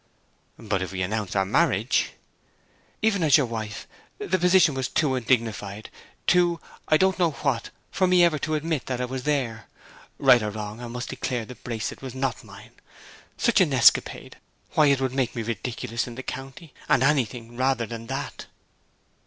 'But if we announce our marriage ' 'Even as your wife, the position was too undignified too I don't know what for me ever to admit that I was there! Right or wrong, I must declare the bracelet was not mine. Such an escapade why, it would make me ridiculous in the county; and anything rather than that!'